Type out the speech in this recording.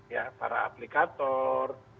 ya para aplikator